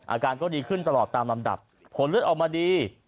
อาการก็ดีขึ้นตลอดตามลำดับผลเลือดออกมาดี